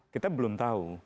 kita belum tahu